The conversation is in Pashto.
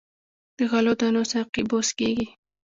د غلو دانو ساقې بوس کیږي.